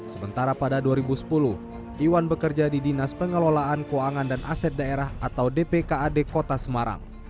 sementara pada dua ribu sepuluh iwan bekerja di dinas pengelolaan keuangan dan aset daerah atau dpkad kota semarang